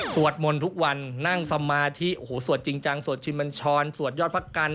สวดมนต์ทุกวันนั่งสมาธิสวดจริงจังสวดชิบเบื้องช้อนสวดยอดพระกัน